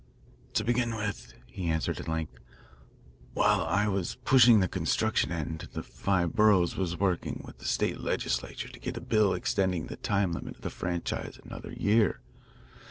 "To begin with," he answered at length, "while I was pushing the construction end, the Five Borough was working with the state legislature to get a bill extending the time limit of the franchise another year.